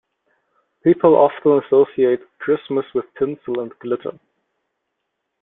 People often associate Christmas with tinsel and glitter.